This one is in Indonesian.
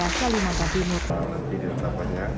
nanti di atapannya